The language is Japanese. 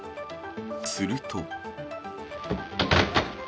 すると。